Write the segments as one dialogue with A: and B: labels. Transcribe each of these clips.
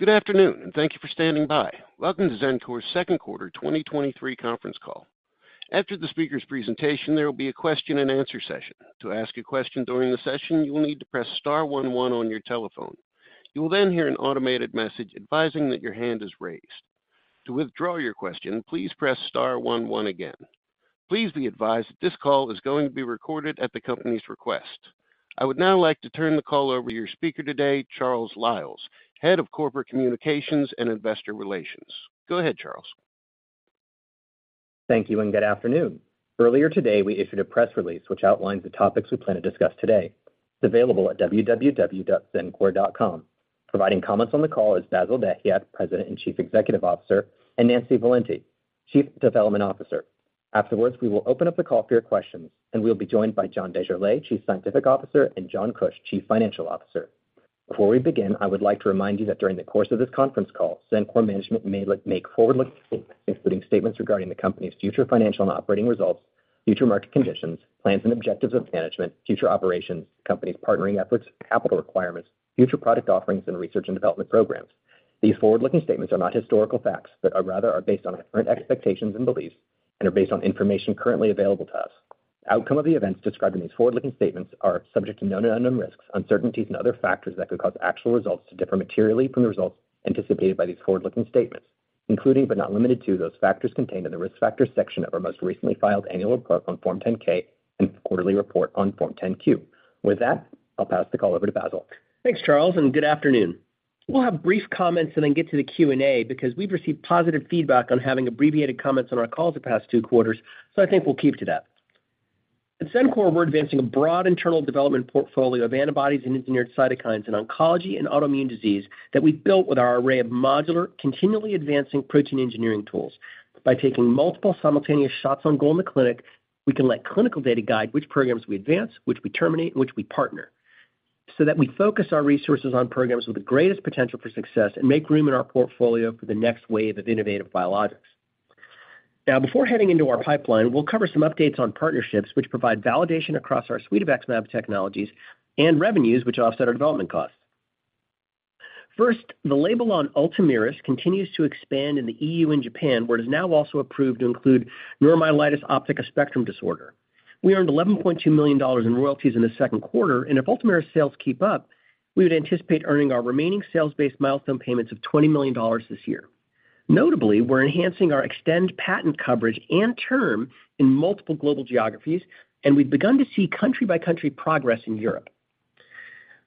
A: Good afternoon. Thank you for standing by. Welcome to Xencor's second quarter 2023 conference call. After the speaker's presentation, there will be a question and answer session. To ask a question during the session, you will need to press star one one on your telephone. You will hear an automated message advising that your hand is raised. To withdraw your question, please press star one one again. Please be advised that this call is going to be recorded at the company's request. I would now like to turn the call over to your speaker today, Charles Lyles, Head of Corporate Communications and Investor Relations. Go ahead, Charles.
B: Thank you and good afternoon. Earlier today, we issued a press release which outlines the topics we plan to discuss today. It's available at www.xencor.com. Providing comments on the call is Bassil Dahiyat, President and Chief Executive Officer, and Nancy Valente, Chief Development Officer. Afterwards, we will open up the call for your questions, we'll be joined by John Desjarlais, Chief Scientific Officer, and John Kush, Chief Financial Officer. Before we begin, I would like to remind you that during the course of this conference call, Xencor management may make forward-looking statements, including statements regarding the company's future financial and operating results, future market conditions, plans and objectives of management, future operations, company's partnering efforts, capital requirements, future product offerings, and research and development programs. These forward-looking statements are not historical facts, but are rather based on our current expectations and beliefs and are based on information currently available to us. Outcome of the events described in these forward-looking statements are subject to known and unknown risks, uncertainties and other factors that could cause actual results to differ materially from the results anticipated by these forward-looking statements, including but not limited to, those factors contained in the Risk Factors section of our most recently filed annual report on Form 10-K and quarterly report on Form 10-Q. With that, I'll pass the call over to Bassil.
C: Thanks, Charles, good afternoon. We'll have brief comments and then get to the Q&A because we've received positive feedback on having abbreviated comments on our calls the past two quarters, I think we'll keep to that. At Xencor, we're advancing a broad internal development portfolio of antibodies and engineered cytokines in oncology and autoimmune disease that we've built with our array of modular, continually advancing protein engineering tools. By taking multiple simultaneous shots on goal in the clinic, we can let clinical data guide which programs we advance, which we terminate, which we partner, that we focus our resources on programs with the greatest potential for success and make room in our portfolio for the next wave of innovative biologics. Before heading into our pipeline, we'll cover some updates on partnerships which provide validation across our suite of XmAb technologies and revenues, which offset our development costs. First, the label on Ultomiris continues to expand in the EU and Japan, where it is now also approved to include neuromyelitis optica spectrum disorder. We earned $11.2 million in royalties in the second quarter. If Ultomiris sales keep up, we would anticipate earning our remaining sales-based milestone payments of $20 million this year. Notably, we're enhancing our Xtend patent coverage and term in multiple global geographies. We've begun to see country-by-country progress in Europe.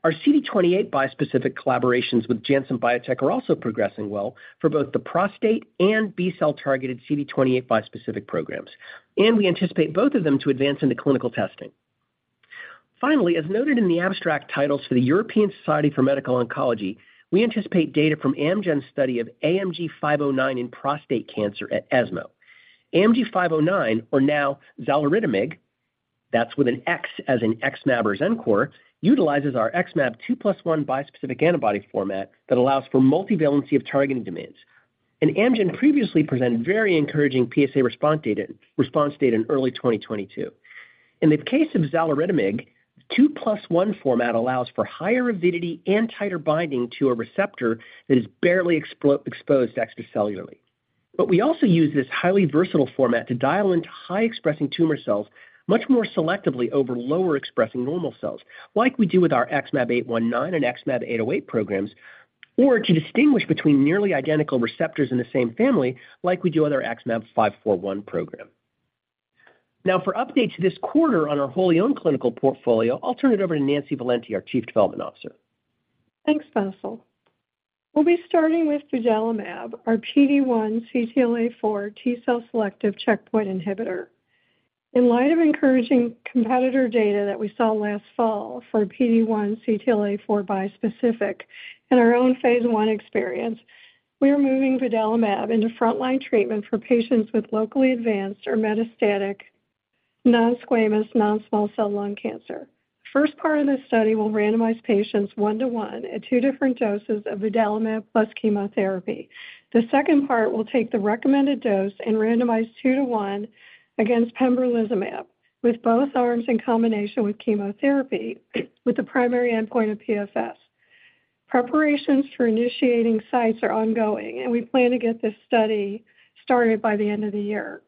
C: Our CD28 bispecific collaborations with Janssen Biotech are also progressing well for both the prostate and B-cell-targeted CD28 bispecific programs. We anticipate both of them to advance into clinical testing. Finally, as noted in the abstract titles for the European Society for Medical Oncology, we anticipate data from Amgen's study of AMG 509 in prostate cancer at ESMO. AMG 509, or now xaluritamig, that's with an X as in XmAb or Xencor, utilizes our XmAb 2+1 bispecific antibody format that allows for multivalency of targeting domains. Amgen previously presented very encouraging PSA response data in early 2022. In the case of xaluritamig, the 2+1 format allows for higher avidity and tighter binding to a receptor that is barely exposed extracellularly. We also use this highly versatile format to dial into high expressing tumor cells much more selectively over lower expressing normal cells, like we do with our XmAb819 and XmAb808 programs, or to distinguish between nearly identical receptors in the same family, like we do with our XmAb541 program. Now for updates this quarter on our wholly owned clinical portfolio, I'll turn it over to Nancy Valente, our Chief Development Officer.
D: Thanks, Bassil. We'll be starting with Vudalimab, our PD-1 CTLA-4 T-cells selective checkpoint inhibitor. In light of encouraging competitor data that we saw last fall for PD-1 CTLA-4 bispecific and our own phase I experience, we are moving Vudalimab into frontline treatment for patients with locally advanced or metastatic non-squamous, non-small cell lung cancer. First part of this study will randomize patients one to one at two different doses of Vudalimab plus chemotherapy. The second part will take the recommended dose and randomize two to one against pembrolizumab, with both arms in combination with chemotherapy, with the primary endpoint of PFS. Preparations for initiating sites are ongoing and we plan to get this study started by the end of the year.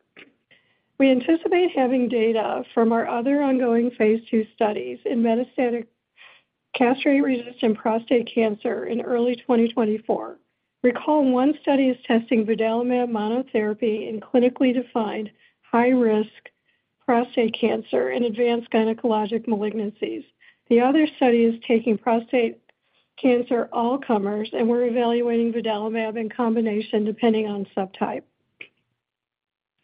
D: We anticipate having data from our other ongoing phase II studies in metastatic castration-resistant prostate cancer in early 2024. Recall, one study is testing Vudalimab monotherapy in clinically defined high risk prostate cancer in advanced gynecologic malignancies. The other study is taking prostate cancer all comers, and we're evaluating Vudalimab in combination depending on subtype.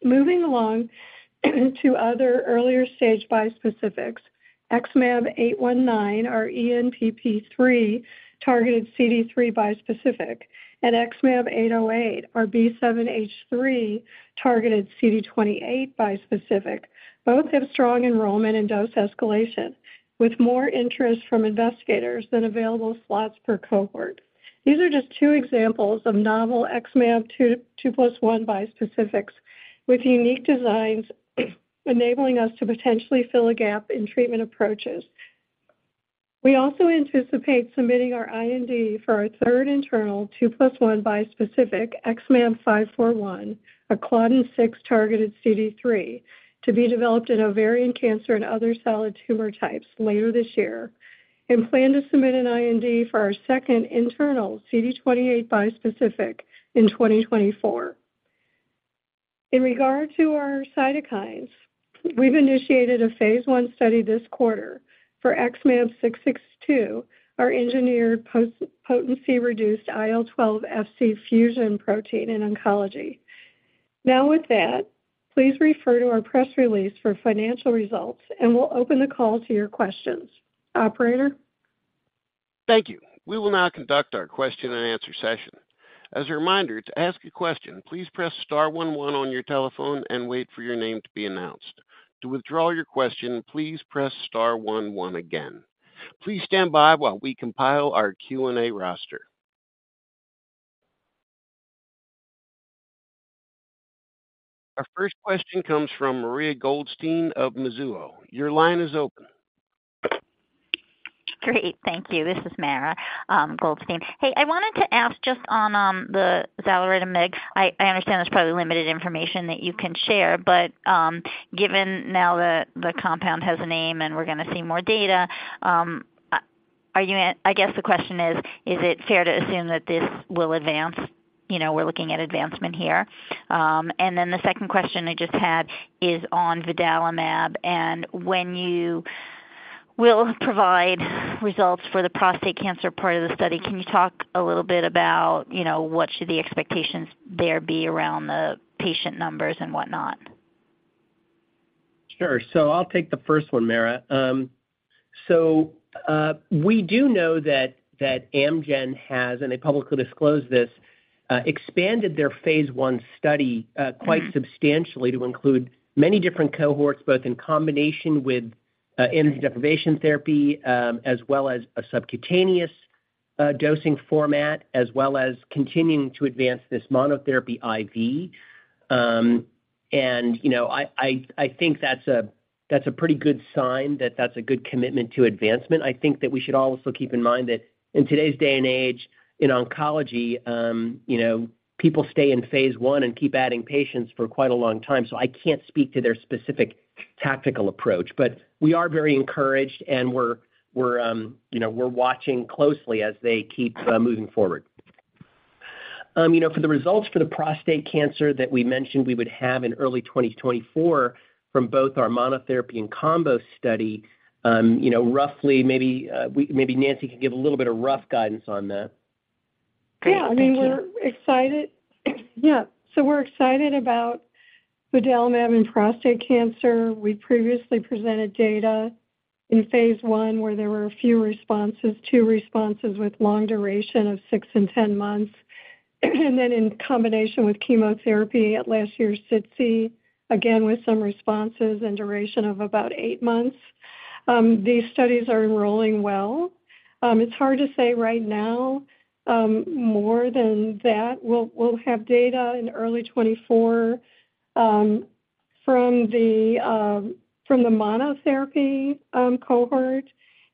D: Moving along to other earlier stage bispecifics, XmAb819, our ENPP3, targeted CD3 bispecific, and XmAb808, our B7H3, targeted CD28 bispecific. Both have strong enrollment and dose escalation, with more interest from investigators than available slots per cohort. These are just two examples of novel XmAb 2+1 bispecifics, with unique designs enabling us to potentially fill a gap in treatment approaches. We also anticipate submitting our IND for our third internal two plus one bispecific, XmAb541, a claudin-6 targeted CD3, to be developed in ovarian cancer and other solid tumor types later this year, and plan to submit an IND for our second internal CD28 bispecific in 2024. In regard to our cytokines, we've initiated a phase I study this quarter for XmAb662, our engineered post-potency reduced IL-12 Fc fusion protein in oncology. Now, with that, please refer to our press release for financial results, and we'll open the call to your questions. Operator?
A: Thank you. We will now conduct our question and answer session. As a reminder, to ask a question, please press star one one on your telephone and wait for your name to be announced. To withdraw your question, please press star one one again. Please stand by while we compile our Q&A roster. Our first question comes from Mara Goldstein of Mizuho. Your line is open.
E: Great. Thank you. This is Mara Goldstein. Hey, I wanted to ask just on the xaluritamig. I, I understand there's probably limited information that you can share, but given now that the compound has a name and we're gonna see more data, I guess the question is: Is it fair to assume that this will advance, you know, we're looking at advancement here? Then the second question I just had is on Vudalimab, and when you will provide results for the prostate cancer part of the study, can you talk a little bit about, you know, what should the expectations there be around the patient numbers and whatnot?
C: Sure. I'll take the first one, Mara. We do know that Amgen has, and they publicly disclosed this, expanded their phase I study quite substantially to include many different cohorts, both in combination with androgen deprivation therapy, as well as a subcutaneous dosing format, as well as continuing to advance this monotherapy IV. You know,I think that's a, that's a pretty good sign that that's a good commitment to advancement. I think that we should also keep in mind that in today's day and age in oncology, you know, people stay in phase I and keep adding patients for quite a long time, so I can't speak to their specific tactical approach. We are very encouraged, and we're, we're, you know, we're watching closely as they keep moving forward. You know, for the results for the prostate cancer that we mentioned we would have in early 2024 from both our monotherapy and combo study, you know, roughly maybe, maybe Nancy could give a little bit of rough guidance on that.
D: Yeah, I mean, we're excited. Yeah. We're excited about Vudalimab in prostate cancer. We previously presented data in phase I, where there were a few responses, two responses with long duration of six and 10 months. Then in combination with chemotherapy at last year's SITC, again, with some responses and duration of about eight months. These studies are enrolling well. It's hard to say right now, more than that. We'll, we'll have data in early 2024, from the monotherapy cohort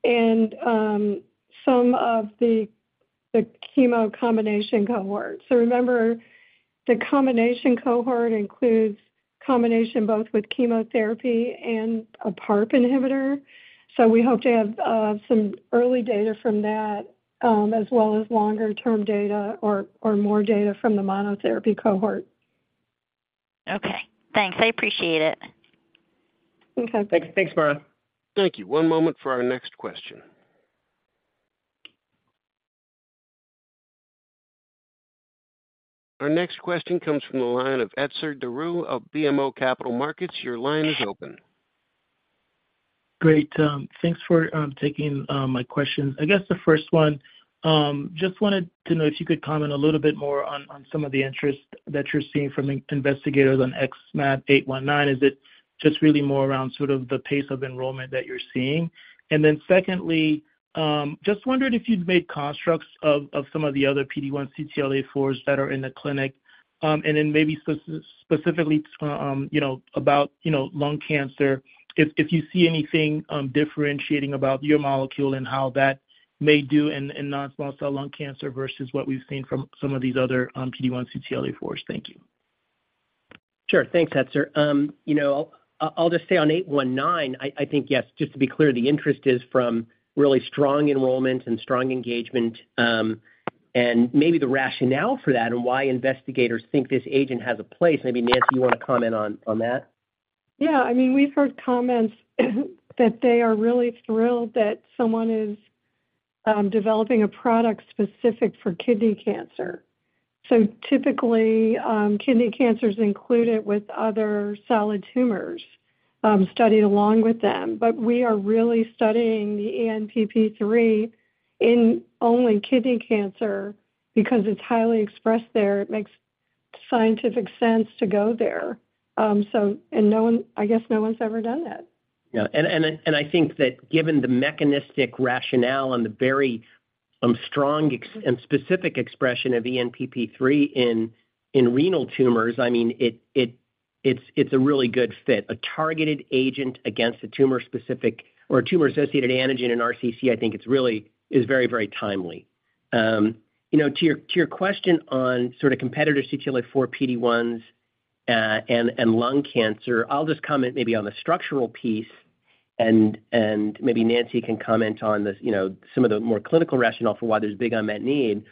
D: and some of the, the chemo combination cohort. Remember, the combination cohort includes combination both with chemotherapy and a PARP inhibitor. We hope to have some early data from that, as well as longer-term data or, or more data from the monotherapy cohort.
E: Okay, thanks. I appreciate it.
D: Okay.
C: Thank, thanks, Mara.
A: Thank you. One moment for our next question. Our next question comes from the line of Etzer Darout of BMO Capital Markets. Your line is open.
F: Great, thanks for taking my question. I guess the first one, just wanted to know if you could comment a little bit more on some of the interest that you're seeing from investigators on XmAb819. Is it just really more around sort of the pace of enrollment that you're seeing? Secondly, just wondered if you'd made constructs of some of the other PD-1 CTLA-4s that are in the clinic, and then maybe specifically, you know, about, you know, lung cancer, if you see anything differentiating about your molecule and how that may do in non-small cell lung cancer versus what we've seen from some of these other PD-1 CTLA-4s. Thank you.
C: Sure. Thanks, Etzer. You know, I'll just say on XmAb819, I think, yes, just to be clear, the interest is from really strong enrollment and strong engagement, and maybe the rationale for that and why investigators think this agent has a place. Maybe, Nancy, you want to comment on that?
D: Yeah. I mean, we've heard comments that they are really thrilled that someone is developing a product specific for kidney cancer. Typically, kidney cancer is included with other solid tumors, studied along with them. We are really studying the ENPP3 in only kidney cancer because it's highly expressed there. It makes scientific sense to go there. No one... I guess no one's ever done that.
C: Yeah. I think that given the mechanistic rationale and the very strong and specific expression of ENPP3 in renal tumors, I mean, it's a really good fit. A targeted agent against a tumor-specific or a tumor-associated antigen in RCC, I think it's really is very, very timely. You know, to your question on sort of competitor CTLA-4 PD-1s and lung cancer, I'll just comment maybe on the structural piece, and maybe Nancy can comment on the, you know, some of the more clinical rationale for why there's a big unmet need.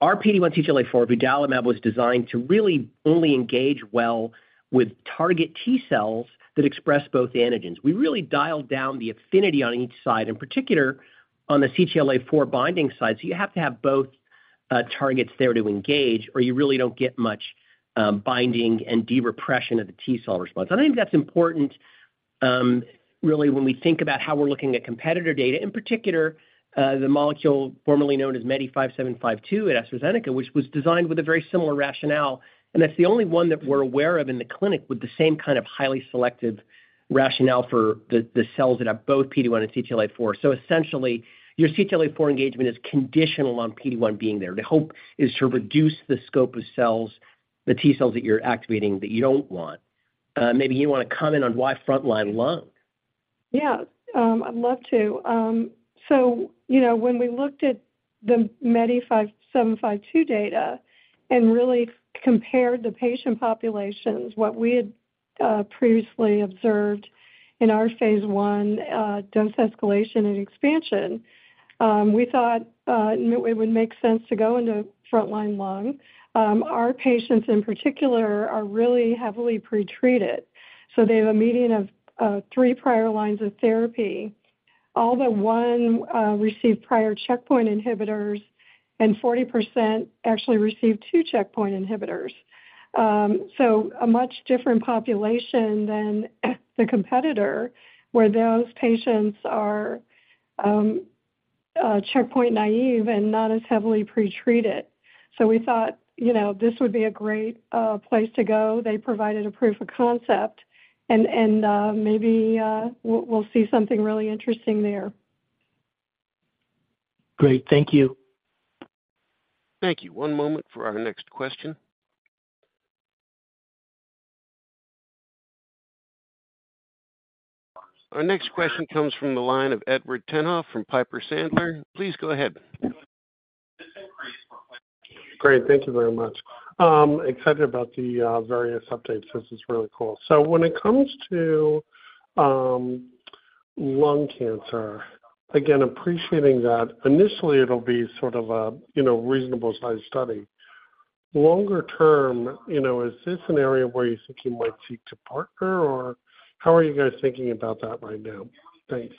C: Our PD-1 CTLA-4, Vudalimab, was designed to really only engage well with target T-cells that express both antigens. We really dialed down the affinity on each side, in particular, on the CTLA-4 binding side. You have to have both targets there to engage, or you really don't get much binding and derepression of the T-cellss response. I think that's important, really, when we think about how we're looking at competitor data, in particular, the molecule formerly known as MEDI5752 at AstraZeneca, which was designed with a very similar rationale, and that's the only one that we're aware of in the clinic with the same kind of highly selective rationale for the cells that have both PD-1 and CTLA-4. Essentially, your CTLA-4 engagement is conditional on PD-1 being there. The hope is to reduce the scope of cells, the T-cellss that you're activating, that you don't want. Maybe you want to comment on why frontline lung?
D: Yeah. I'd love to. You know, when we looked at the MEDI5752 data and really compared the patient populations, what we had previously observed in our phase I dose escalation and expansion, we thought it would make sense to go into frontline lung. Our patients, in particular, are really heavily pretreated, so they have a median of three prior lines of therapy. All but one received prior checkpoint inhibitors, and 40% actually received two checkpoint inhibitors. A much different population than the competitor, where those patients are checkpoint naive and not as heavily pretreated. We thought, you know, this would be a great place to go. They provided a proof of concept, and maybe we'll see something really interesting there.
F: Great. Thank you.
A: Thank you. One moment for our next question. Our next question comes from the line of Edward Tenthoff from Piper Sandler. Please go ahead.
G: Great. Thank you very much. Excited about the various updates. This is really cool. When it comes to lung cancer, again, appreciating that initially it'll be sort of a, you know, reasonable-sized study, longer term, you know, is this an area where you think you might seek to partner, or how are you guys thinking about that right now? Thanks.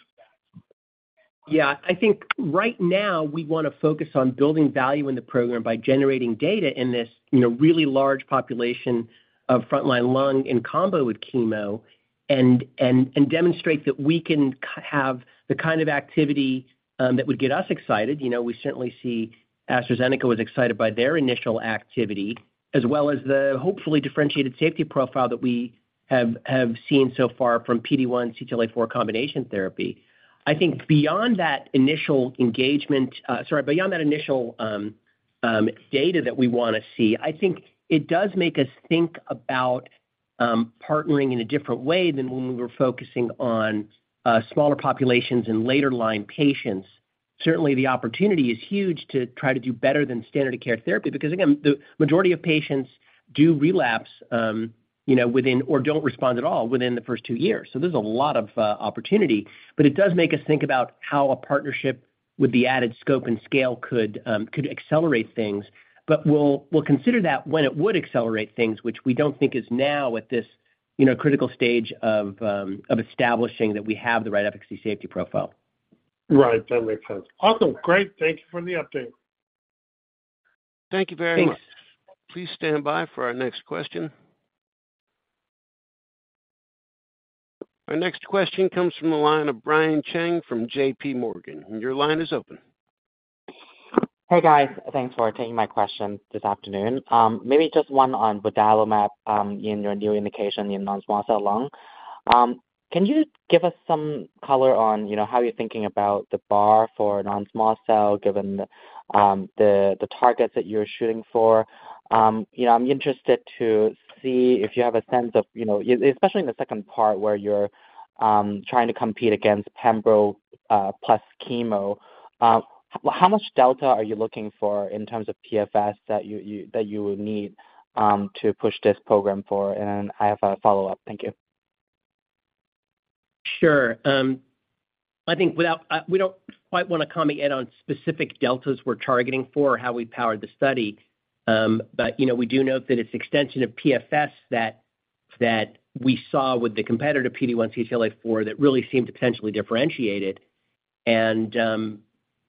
C: Yeah. I think right now we want to focus on building value in the program by generating data in this, you know, really large population of frontline lung in combo with chemo and, and, and demonstrate that we can have the kind of activity that would get us excited. You know, we certainly see AstraZeneca was excited by their initial activity, as well as the hopefully differentiated safety profile that we have, have seen so far from PD-1 CTLA-4 combination therapy. I think beyond that initial engagement, sorry, beyond that initial data that we want to see, I think it does make us think about partnering in a different way than when we were focusing on smaller populations in later line patients. Certainly, the opportunity is huge to try to do better than standard of care therapy, because again, the majority of patients do relapse, you know, within or don't respond at all within the first two years. There's a lot of opportunity, but it does make us think about how a partnership with the added scope and scale could accelerate things. We'll, we'll consider that when it would accelerate things, which we don't think is now at this, you know, critical stage of establishing that we have the right efficacy safety profile.
G: Right. That makes sense. Awesome. Great. Thank you for the update.
A: Thank you very much.
C: Thanks.
A: Please stand by for our next question. Our next question comes from the line of Brian Cheng from JP Morgan. Your line is open.
H: Hey, guys. Thanks for taking my question this afternoon. Maybe just one on Vudalimab, in your new indication in non-small cell lung. Can you give us some color on, you know, how you're thinking about the bar for non-small cell, given the, the, the targets that you're shooting for? You know, I'm interested to see if you have a sense of, you know, especially in the second part, where you're trying to compete against pembro plus chemo, how much delta are you looking for in terms of PFS that you, you, that you would need to push this program for? And I have a follow-up. Thank you.
C: Sure. I think without... we don't quite want to comment yet on specific deltas we're targeting for or how we powered the study, but, you know, we do note that it's extension of PFS that, that we saw with the competitive PD-1 CTLA-4 that really seemed potentially differentiated, and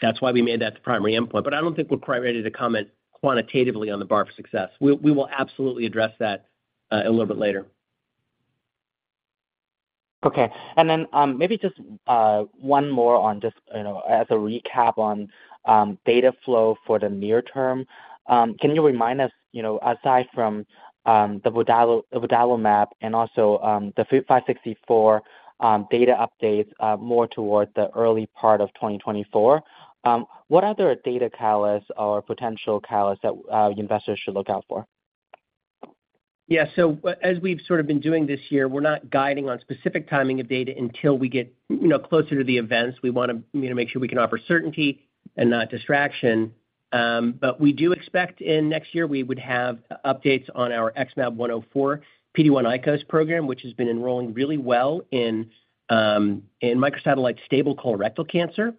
C: that's why we made that the primary endpoint. I don't think we're quite ready to comment quantitatively on the bar of success. We, we will absolutely address that a little bit later.
H: Okay. maybe just one more on just, you know, as a recap on data flow for the near term. Can you remind us, you know, aside from the Vudalimab and also the XmAb564, data updates more towards the early part of 2024, what other data callous or potential callous that investors should look out for?
C: Yeah. As we've sort of been doing this year, we're not guiding on specific timing of data until we get, you know, closer to the events. We want to, you know, make sure we can offer certainty and not distraction. But we do expect in next year, we would have updates on our XmAb-104 PD-1×ICOS program, which has been enrolling really well in microsatellite-stable colorectal cancer.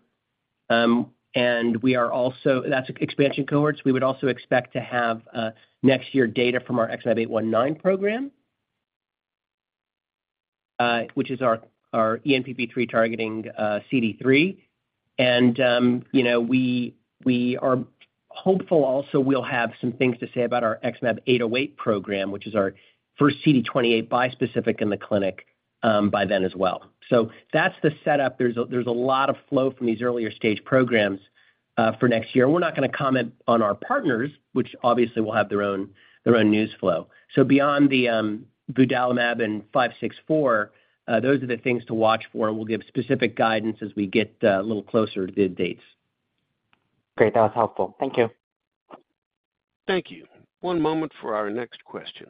C: We are also. That's expansion cohorts. We would also expect to have next year, data from our XmAb-819 program, which is our, our ENPP3 targeting CD3. You know, we, we are hopeful also we'll have some things to say about our XmAb-808 program, which is our first CD28 bispecific in the clinic, by then as well. That's the setup. There's a, there's a lot of flow from these earlier stage programs for next year. We're not going to comment on our partners, which obviously will have their own, their own news flow. Beyond the Vudalimab and 564, those are the things to watch for, and we'll give specific guidance as we get a little closer to the dates.
H: Great. That was helpful. Thank you.
A: Thank you. One moment for our next question.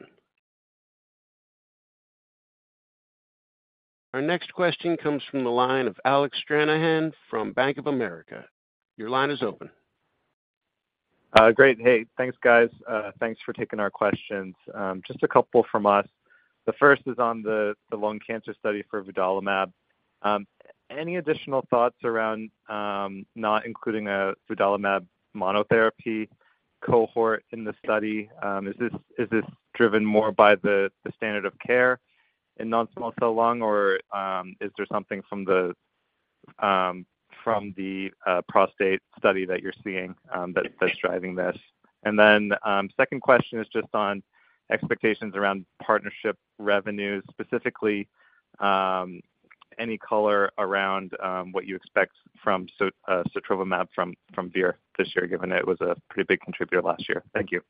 A: Our next question comes from the line of Alec Stranahan from Bank of America. Your line is open.
I: Great. Hey, thanks, guys. Thanks for taking our questions. Just a couple from us. The first is on the lung cancer study for Vudalimab. Any additional thoughts around not including a Vudalimab monotherapy cohort in the study? Is this driven more by the standard of care in non-small cell lung, or is there something from the prostate study that you're seeing that's driving this? Second question is just on expectations around partnership revenues, specifically, any color around what you expect from daratumumab from Vir this year, given that it was a pretty big contributor last year? Thank you.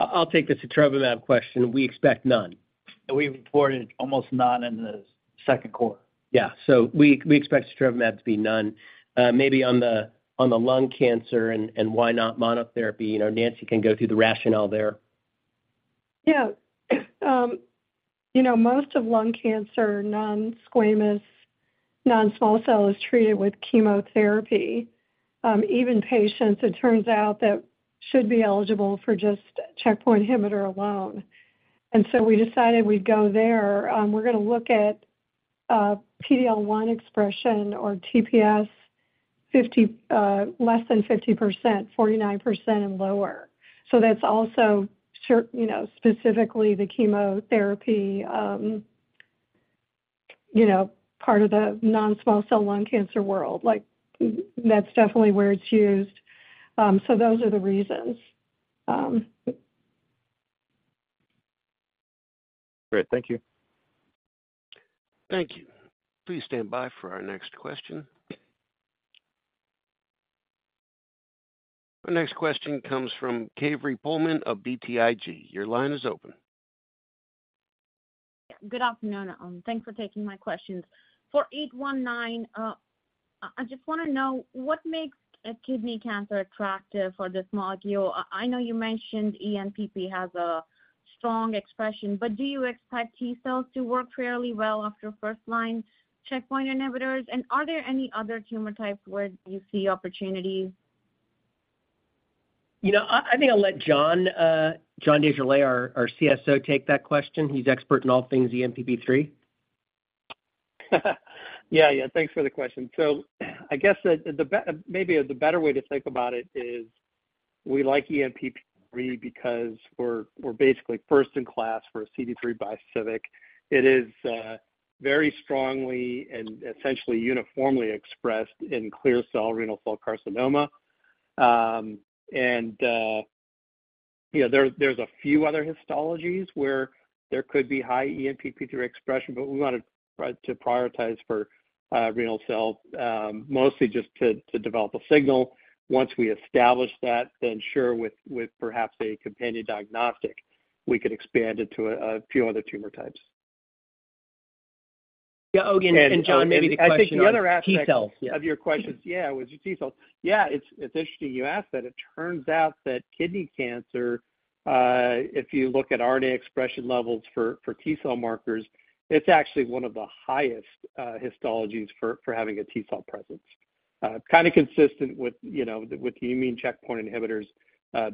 C: I'll take the daratumumab question. We expect none.
J: We reported almost none in the second quarter.
C: Yeah. We, we expect daratumumab to be none. Maybe on the, on the lung cancer and, and why not monotherapy, you know, Nancy can go through the rationale there.
D: Yeah. You know, most of lung cancer, non-squamous, non-small cell, is treated with chemotherapy, even patients, it turns out, that should be eligible for just checkpoint inhibitor alone. We decided we'd go there. We're going to look at PDL-1 expression or TPS 50, less than 50%, 49% and lower. That's also sure- you know, specifically the chemotherapy, you know, part of the non-small cell lung cancer world. Like, that's definitely where it's used. Those are the reasons.
I: Great. Thank you.
A: Thank you. Please stand by for our next question. Our next question comes from Kaveri Pohlman of BTIG. Your line is open.
K: Good afternoon. Thanks for taking my questions. For XmAb819, I just want to know what makes a kidney cancer attractive for this molecule? I know you mentioned ENPP3 has a strong expression, but do you expect T-cellss to work fairly well after first line checkpoint inhibitors? Are there any other tumor types where you see opportunities?
C: You know, I, I think I'll let John, John Desjarlais, our, our CSO, take that question. He's expert in all things ENPP3.
J: Yeah, yeah. Thanks for the question. I guess the maybe the better way to think about it is we like ENPP3 because we're, we're basically first in class for a CD3 bispecific. It is very strongly and essentially uniformly expressed in clear cell renal cell carcinoma. You know, there, there's a few other histologies where there could be high ENPP3 expression, but we wanted to prioritize for renal cell mostly just to develop a signal. Once we establish that, sure, with perhaps a companion diagnostic, we could expand it to a few other tumor types.
C: Yeah, oh, John, maybe the question-
J: I think the other aspect.
C: T-cellss....
J: of your questions, yeah, was T-cellss. Yeah, it's, it's interesting you asked that. It turns out that kidney cancer, if you look at RNA expression levels for, for T-cellss markers, it's actually one of the highest histologies for, for having a T-cellss presence, kind of consistent with, you know, with the immune checkpoint inhibitors,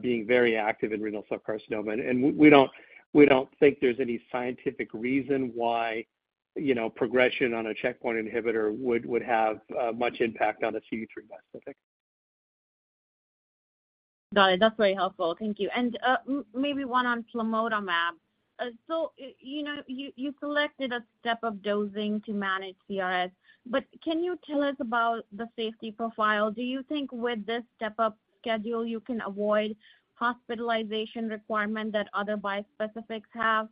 J: being very active in renal cell carcinoma. We, we don't, we don't think there's any scientific reason why, you know, progression on a checkpoint inhibitor would, would have much impact on a CD3 bispecific.
K: Got it. That's very helpful. Thank you. Maybe one on Plamotamab. You know, you, you selected a step of dosing to manage CRS, but can you tell us about the safety profile? Do you think with this step up schedule, you can avoid hospitalization requirement that other bispecifics have?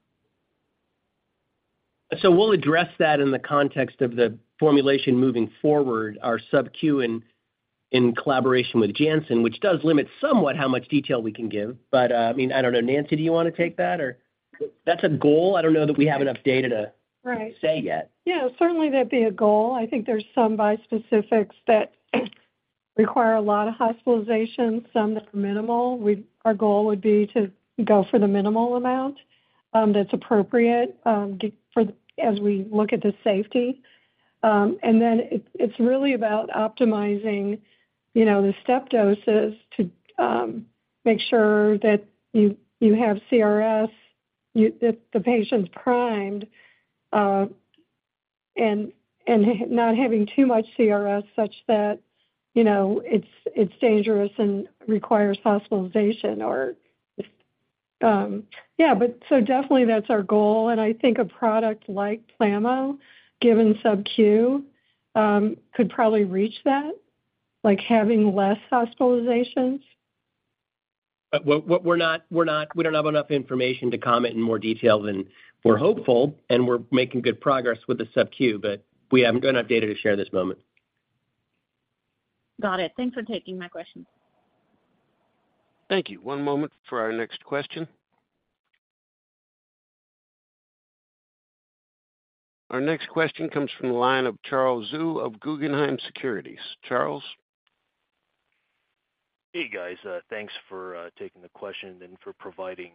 C: We'll address that in the context of the formulation moving forward, our subQ in, in collaboration with Janssen, which does limit somewhat how much detail we can give. I mean, I don't know, Nancy, do you want to take that, or? That's a goal. I don't know that we have enough data to-
D: Right....
C: say yet.
D: Certainly that'd be a goal. I think there's some bispecifics that require a lot of hospitalization, some that are minimal. Our goal would be to go for the minimal amount that's appropriate for, as we look at the safety. And then it's really about optimizing, you know, the step doses to make sure that you have CRS, that the patient's primed, and not having too much CRS such that, you know, it's dangerous and requires hospitalization or... Definitely that's our goal, and I think a product like Plamotamab, given subQ, could probably reach that, like, having less hospitalizations.
C: What, we're not, we don't have enough information to comment in more detail than we're hopeful, and we're making good progress with the subQ, but we haven't got enough data to share this moment.
K: Got it. Thanks for taking my question.
A: Thank you. One moment for our next question. Our next question comes from the line of Charles Zhu of Guggenheim Securities. Charles?
L: Hey, guys. Thanks for taking the question and for providing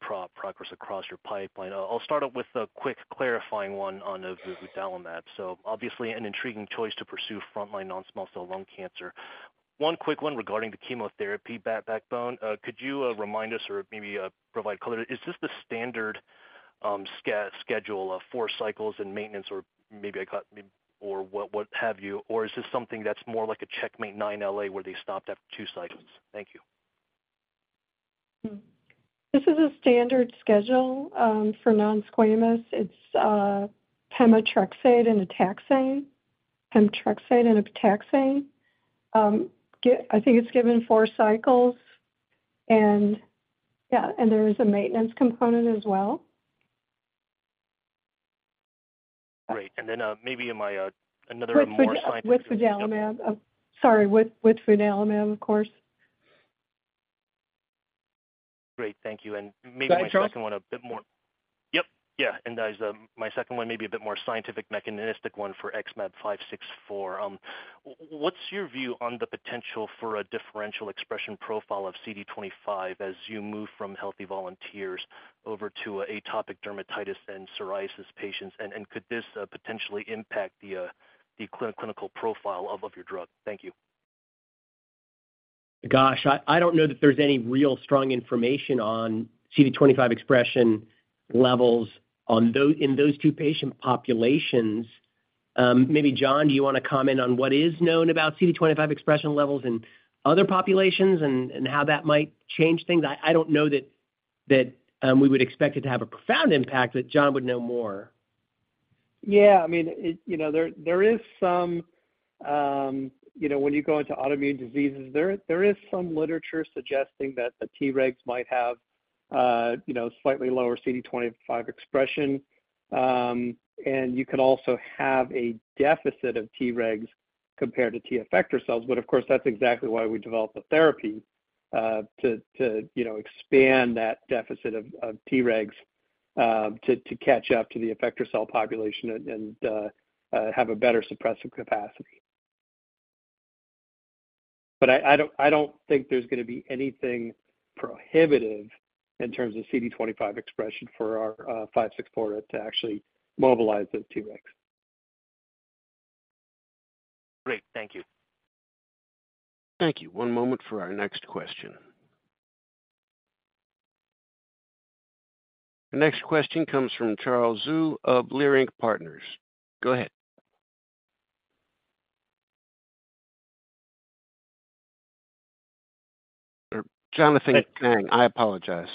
L: progress across your pipeline. I'll start out with a quick clarifying one on the Vudalimab. Obviously, an intriguing choice to pursue frontline non-small cell lung cancer. One quick one regarding the chemotherapy backbone. Could you remind us or maybe provide color? Is this the standard schedule of four cycles and maintenance, or maybe I got, or what, what have you? Or is this something that's more like a CheckMate 9LA, where they stopped after two cycles? Thank you.
D: This is a standard schedule for non-squamous. It's pemetrexed and a taxane, pemetrexed and a taxane. I think it's given four cycles, and yeah, and there is a maintenance component as well.
L: Great. maybe am I, another more-
D: With Vudalimab. Sorry, with Vudalimab, of course.
L: Great, thank you.
C: Go ahead, Charles.
L: Maybe my second one a bit more. Yep. Yeah, my second one, maybe a bit more scientific, mechanistic one for XmAb564. What's your view on the potential for a differential expression profile of CD25 as you move from healthy volunteers over to atopic dermatitis and psoriasis patients? Could this potentially impact the clinical profile of your drug? Thank you.
C: Gosh, I don't know that there's any real strong information on CD25 expression levels on those, in those two patient populations. Maybe, John, do you want to comment on what is known about CD25 expression levels in other populations and, and how that might change things? I, I don't know that, that, we would expect it to have a profound impact, but John would know more.
J: Yeah, I mean, it, you know, there, there is some. You know, when you go into autoimmune diseases, there, there is some literature suggesting that the Tregs might have, you know, slightly lower CD25 expression. You could also have a deficit of Tregs compared to T-effector cells. Of course, that's exactly why we developed the therapy, to, to, you know, expand that deficit of, of Tregs, to, to catch up to the effector cell population and, and, have a better suppressive capacity. I don't, I don't think there's gonna be anything prohibitive in terms of CD25 expression for our, 564 to actually mobilize those Tregs.
L: Great. Thank you.
A: Thank you. One moment for our next question. The next question comes from Charles Zhu of Leerink Partners. Go ahead. Jonathan Chang, I apologize.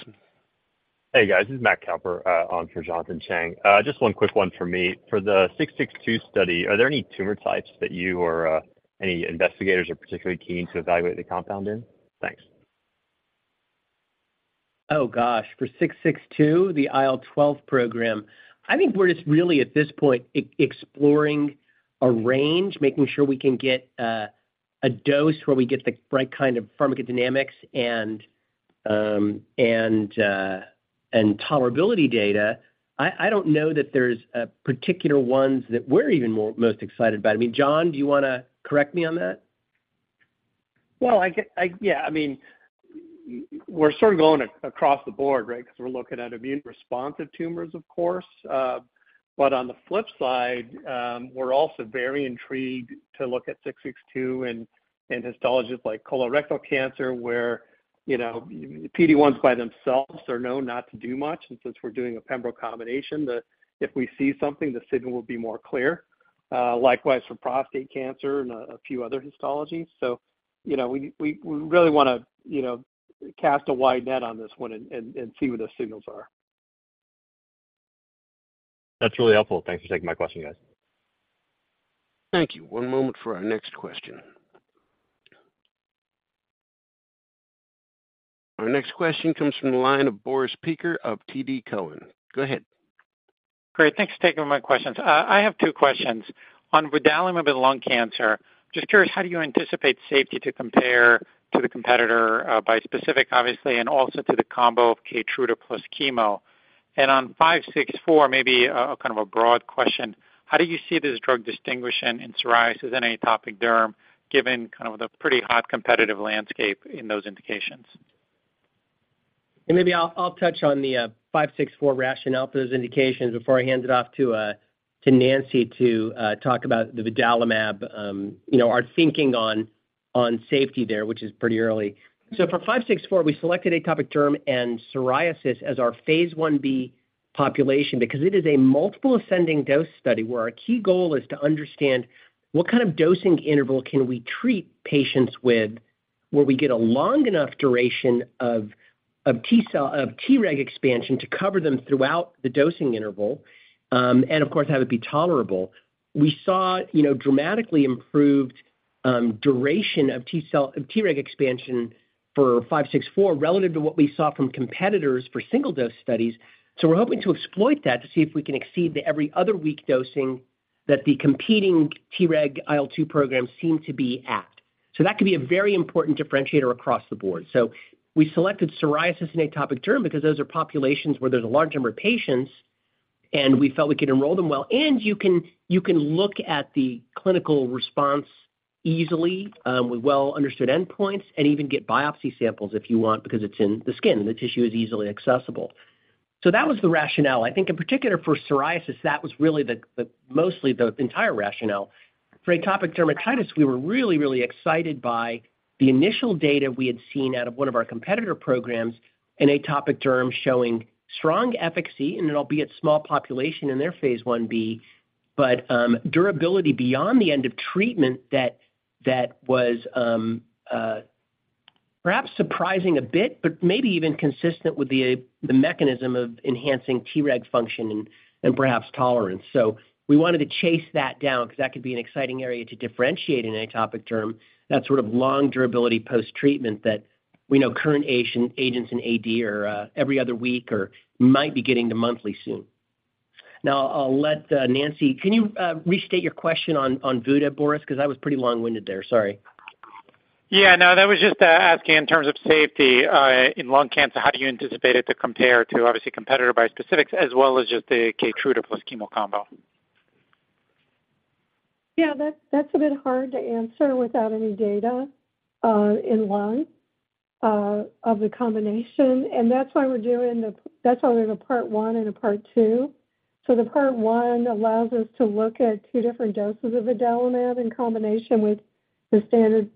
M: Hey, guys. This is Matt Cowper, on for Jonathan Chang. Just one quick one for me. For the 662 study, are there any tumor types that you or any investigators are particularly keen to evaluate the compound in? Thanks.
C: Oh, gosh, for XmAb662, the IL-12 program, I think we're just really at this point, exploring a range, making sure we can get a dose where we get the right kind of pharmacodynamics and and tolerability data. I, I don't know that there's particular ones that we're even most excited about. I mean, John, do you wanna correct me on that?
J: Well, I mean, we're sort of going across the board, right? We're looking at immune-responsive tumors, of course. On the flip side, we're also very intrigued to look at XmAb662 and histologies like colorectal cancer, where, you know, PD-1s by themselves are known not to do much. Since we're doing a pembro combination, if we see something, the signal will be more clear. Likewise for prostate cancer and a few other histologies. You know, we really wanna, you know, cast a wide net on this one and see what those signals are.
M: That's really helpful. Thanks for taking my question, guys.
A: Thank you. One moment for our next question. Our next question comes from the line of Boris Peaker of TD Cowen. Go ahead.
N: Great. Thanks for taking my questions. I have two questions. On Vudalimab and lung cancer, just curious, how do you anticipate safety to compare to the competitor, bispecific, obviously, and also to the combo of Keytruda plus chemo?on 564, maybe a kind of a broad question: How do you see this drug distinguishing in psoriasis and atopic derm, given kind of the pretty hot competitive landscape in those indications?
C: Maybe I'll, I'll touch on the XmAb564 rationale for those indications before I hand it off to Nancy to talk about the Vudalimab, you know, our thinking on, on safety there, which is pretty early. For XmAb564, we selected atopic derm and psoriasis as our phase IB population because it is a multiple ascending dose study, where our key goal is to understand what kind of dosing interval can we treat patients with, where we get a long enough duration of, of T-cells-- of Treg expansion to cover them throughout the dosing interval, and of course, have it be tolerable. We saw, you know, dramatically improved duration of T-cells, of Treg expansion for XmAb564, relative to what we saw from competitors for single dose studies. We're hoping to exploit that to see if we can exceed the every other week dosing that the competing Treg IL-2 programs seem to be at. That could be a very important differentiator across the board. We selected psoriasis and atopic derm because those are populations where there's a large number of patients, and we felt we could enroll them well, and you can, you can look at the clinical response easily, with well-understood endpoints and even get biopsy samples if you want, because it's in the skin, and the tissue is easily accessible. That was the rationale. I think in particular for psoriasis, that was really the, the mostly the entire rationale. For atopic dermatitis, we were really, really excited by the initial data we had seen out of one of our competitor programs in atopic derm showing strong efficacy, albeit small population in their phase IB, but durability beyond the end of treatment that, that was perhaps surprising a bit, but maybe even consistent with the mechanism of enhancing Treg function and perhaps tolerance. We wanted to chase that down because that could be an exciting area to differentiate in atopic derm, that sort of long durability post-treatment that we know current agent, agents in AD are every other week or might be getting to monthly soon. I'll let Nancy. Can you restate your question on Vudalimab, Boris? I was pretty long-winded there. Sorry.
N: Yeah, no, that was just asking in terms of safety, in lung cancer, how do you anticipate it to compare to obviously competitor bispecifics as well as just the Keytruda plus chemo combo?
D: Yeah, that's, that's a bit hard to answer without any data, in lung, of the combination, and that's why we're doing that's why there's a part 1 and a part 2. The part 1 allows us to look at 2 different doses of Vudalimab in combination with the standard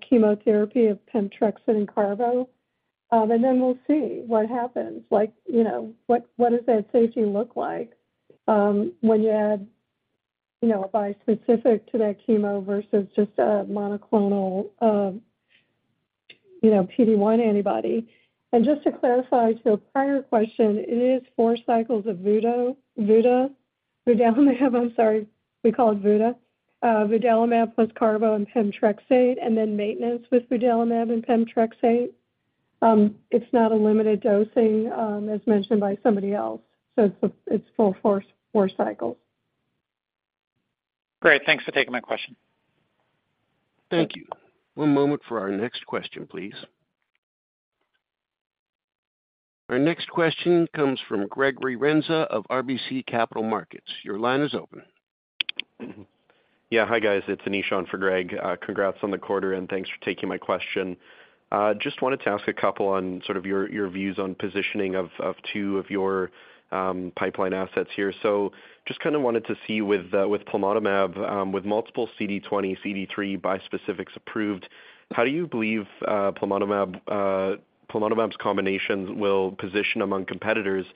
D: chemotherapy of pemetrexed and carboplatin. And then we'll see what happens. Like, you know, what, what does that safety look like, when you add, you know, a bispecific to that chemo versus just a monoclonal, you know, PD-1 antibody? Just to clarify, so prior question, it is 4 cycles of Vudalimab, Vudalimab, I'm sorry, we call it Vudalimab, Vudalimab plus carbo and pemetrexed, and then maintenance with Vudalimab and pemetrexed. It's not a limited dosing, as mentioned by somebody else, so it's, it's full force, 4 cycles.
N: Great. Thanks for taking my question.
A: Thank you. One moment for our next question, please. Our next question comes from Gregory Renza of RBC Capital Markets. Your line is open.
O: Yeah. Hi, guys. It's Anish on for Greg. Congrats on the quarter, and thanks for taking my question. Just wanted to ask a couple on sort of your, your views on positioning of, of two of your pipeline assets here. Just kind of wanted to see with Plamotamab, with multiple CD20, CD3 bispecifics approved, how do you believe Plamotamab's combinations will position among competitors?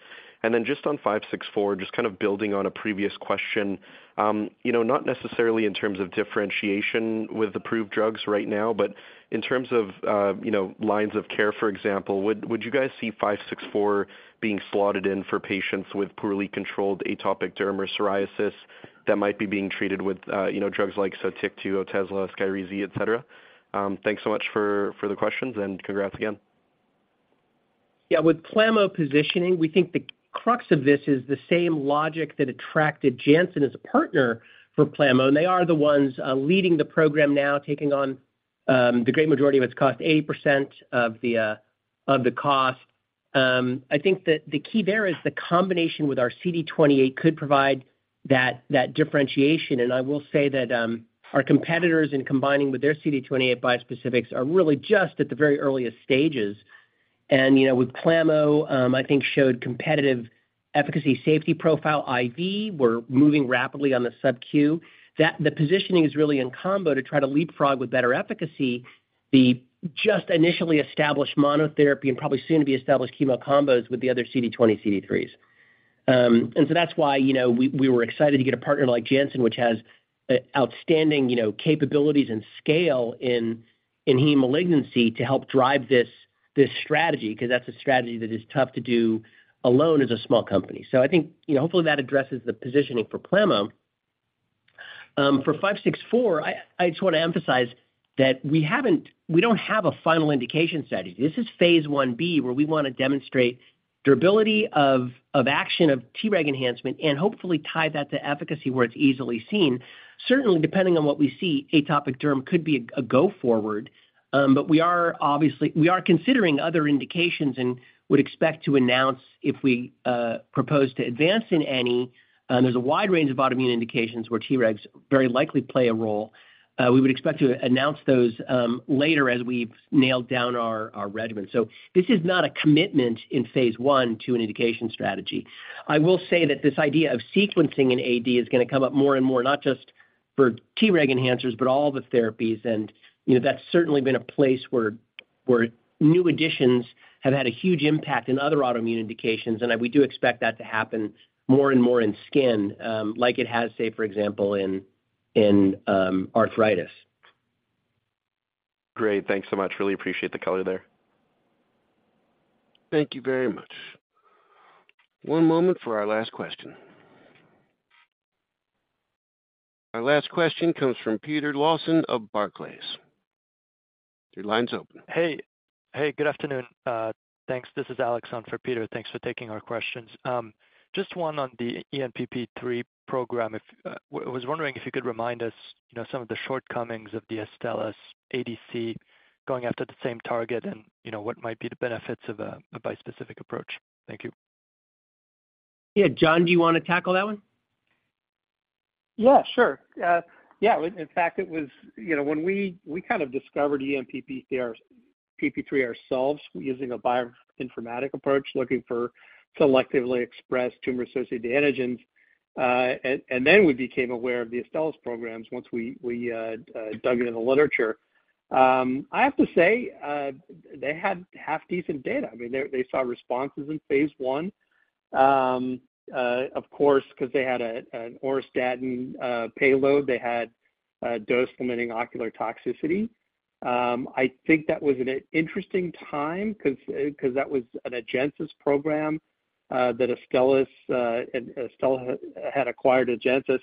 O: Then just on XmAb564, just kind of building on a previous question, you know, not necessarily in terms of differentiation with approved drugs right now, but in terms of, you know, lines of care, for example, would, would you guys see XmAb564 being slotted in for patients with poorly controlled atopic derm or psoriasis that might be being treated with, you know, drugs like Sotyktu, Otezla, Skyrizi, et cetera? Thanks so much for, for the questions, and congrats again.
C: Yeah, with plamo positioning, we think the crux of this is the same logic that attracted Janssen as a partner for plamo, and they are the ones leading the program now, taking on the great majority of its cost, 80% of the cost. I think that the key there is the combination with our CD28 could provide that, that differentiation, and I will say that our competitors in combining with their CD28 bispecifics are really just at the very earliest stages. You know, with plamo, I think showed competitive efficacy, safety profile, IV. We're moving rapidly on the subQ. That the positioning is really in combo to try to leapfrog with better efficacy, the just initially established monotherapy and probably soon to be established chemo combos with the other CD20, CD3s. That's why, you know, we, we were excited to get a partner like Janssen, which has a outstanding, you know, capabilities and scale in heme malignancy to help drive this strategy, because that's a strategy that is tough to do alone as a small company. I think, you know, hopefully, that addresses the positioning for Plamo. For 564, I just want to emphasize that we haven't, we don't have a final indication strategy. This is phase IB, where we wanna demonstrate durability of, of action of Treg enhancement and hopefully tie that to efficacy where it's easily seen. Certainly, depending on what we see, atopic derm could be a, a go forward. We are considering other indications and would expect to announce if we propose to advance in any. There's a wide range of autoimmune indications where Tregs very likely play a role. We would expect to announce those later as we've nailed down our, our regimen. This is not a commitment in phase one to an indication strategy. I will say that this idea of sequencing in AD is gonna come up more and more, not just for Treg enhancers, but all the therapies. You know, that's certainly been a place where, where new additions have had a huge impact in other autoimmune indications, and we do expect that to happen more and more in skin, like it has, say, for example, in, in, arthritis.
A: Great. Thanks so much. Really appreciate the color there. Thank you very much. One moment for our last question. Our last question comes from Peter Lawson of Barclays. Your line's open.
P: Hey. Hey, good afternoon. Thanks. This is Alex on for Peter. Thanks for taking our questions. Just one on the ENPP3 program. If... I was wondering if you could remind us, you know, some of the shortcomings of the Astellas ADC going after the same target and, you know, what might be the benefits of a bispecific approach. Thank you.
C: Yeah, John, do you wanna tackle that one?
J: Yeah, sure. Yeah, in fact, it was... You know, when we, we kind of discovered ENPP3 ourselves, using a bioinformatic approach, looking for selectively expressed tumor-associated antigens. Then we became aware of the Astellas programs once we, we dug into the literature. I have to say, they had half-decent data. I mean, they, they saw responses in phase I. Of course, because they had an auristatin payload, they had dose-limiting ocular toxicity. I think that was an interesting time because, because that was an Agenus program that Astellas, and Astellas had acquired Agenus.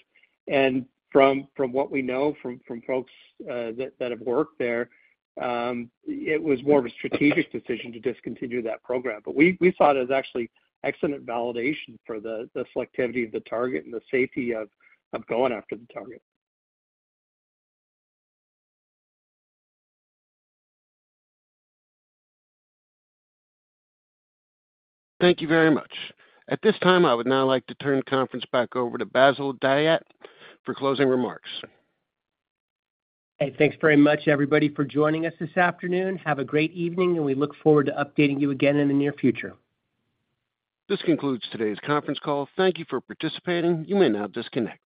J: From, from what we know from, from folks that, that have worked there, it was more of a strategic decision to discontinue that program. We, we saw it as actually excellent validation for the, the selectivity of the target and the safety of going after the target.
A: Thank you very much. At this time, I would now like to turn the conference back over to Bassil Dahiyat for closing remarks.
C: Hey, thanks very much, everybody, for joining us this afternoon. Have a great evening, and we look forward to updating you again in the near future.
A: This concludes today's conference call. Thank you for participating. You may now disconnect.